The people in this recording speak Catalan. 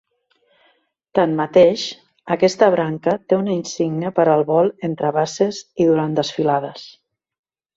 Tanmateix, aquesta branca té una insígnia per al vol entre bases i durant desfilades.